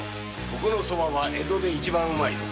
ここのソバは江戸で一番うまいぞ。